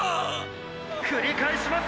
「くり返します！！